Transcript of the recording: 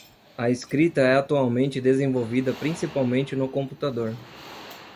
A escrita é atualmente desenvolvida principalmente no computador.